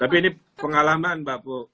tapi ini pengalaman mbak pu